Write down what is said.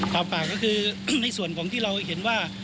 ปากก็คือในส่วนของที่เราเห็นว่า